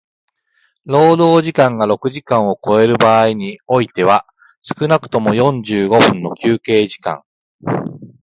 労働時間が六時間を超える場合においては少くとも四十五分の休憩時間